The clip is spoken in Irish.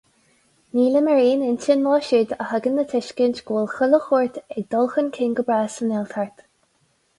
Nílim ar aon intinn leo siúd a thugann le tuiscint go bhfuil chuile shórt ag dul chun cinn go breá sa nGaeltacht.